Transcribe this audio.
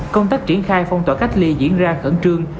công tác triển khai phong tỏa cách ly diễn ra khẩn trương